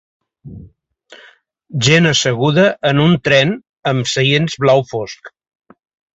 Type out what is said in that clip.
Gent asseguda en un tren amb seients blau fosc